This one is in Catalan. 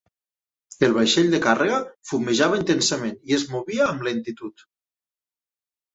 El vaixell de càrrega fumejava intensament i es movia amb lentitud.